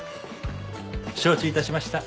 承知致しました。